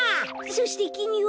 そしてきみは。